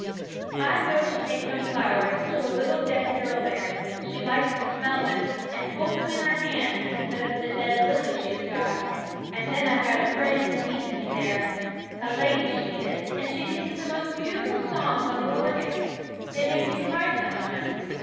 'I go to take some flowers to a little dead girl there; she likes to smell them, and hold them in her hands instead of the dead lily she has got. And then I've got a friend who meets me there a lady she is and she sings the most beautiful songs on the organ! they make me cry sometimes.